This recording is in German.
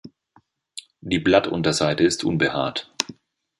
Die Blattunterseite ist unbehaart.